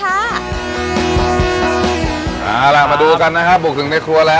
เอาล่ะมาดูกันนะครับบุกถึงในครัวแล้ว